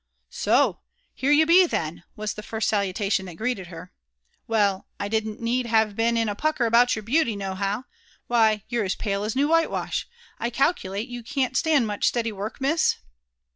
"Sob I here you be, then," was the first salutation that greeted her. <*Well, I didn't need have been in a pucker about your beauty, nohow! Why, you're as pale as new whitewash. I calculate you can't stand much steady work, Miss?"